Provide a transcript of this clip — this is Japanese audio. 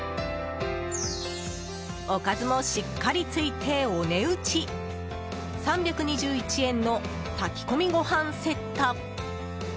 おかずもしっかりついてお値打ち３２１円の炊き込みご飯セット。